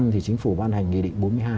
thì chính phủ ban hành nghị định bốn mươi hai